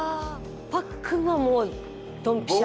パックンはもうドンピシャ？